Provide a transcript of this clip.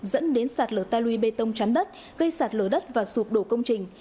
dẫn đến sạt lở ta lui bê tông chắn đất gây sạt lở đất và sụp đổ công trình